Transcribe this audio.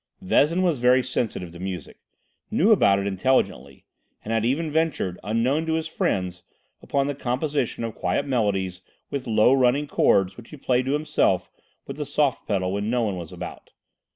Vezin was very sensitive to music, knew about it intelligently, and had even ventured, unknown to his friends, upon the composition of quiet melodies with low running chords which he played to himself with the soft pedal when no one was about.